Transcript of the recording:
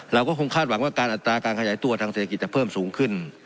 เราก็คงคาดหวังว่าการอัตราการขยายตัวทางเศรษฐกิจจะเพิ่มสูงขึ้น